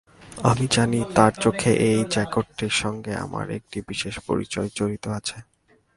আমি জানি তাঁর চোখে এই জ্যাকেটটির সঙ্গে আমার একটি বিশেষ পরিচয় জড়িত আছে।